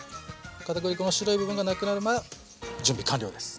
片栗粉の白い部分がなくなれば準備完了です。